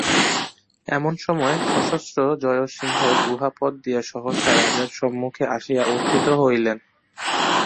এমন সময় সশস্ত্র জয়সিংহ গুহাপথ দিয়া সহসা রাজার সম্মুখে আসিয়া উত্থিত হইলেন।